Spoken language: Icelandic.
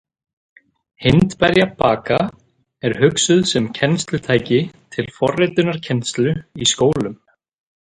Hindberja baka er hugsuð sem kennslutæki til forritunarkennslu í skólum.